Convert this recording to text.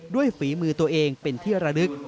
ฝีมือตัวเองเป็นที่ระลึก